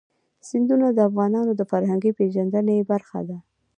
سیندونه د افغانانو د فرهنګي پیژندنې برخه ده.